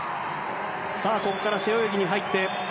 ここから背泳ぎに入って。